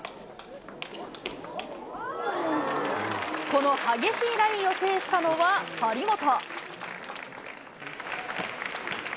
この激しいラリーを制したのは、張本。